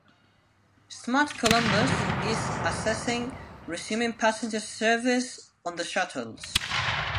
Smart Columbus is assessing resuming passenger service on the shuttles.